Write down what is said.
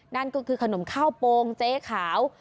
นั่นก็คือขนมข้าวโปรงเจ๊ขาว